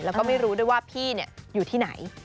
แล้วก็ไม่รู้ด้วยว่าพี่อยู่ที่ไหน